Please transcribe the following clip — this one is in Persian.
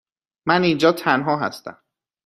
من اینجا تنها هستم.